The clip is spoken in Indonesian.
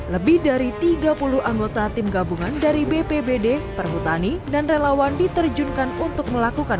lebih dari tiga puluh anggota tim gabungan dari bpbd perhutani dan relawan diterjunkan untuk melakukan